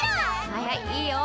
はいはいいいよ。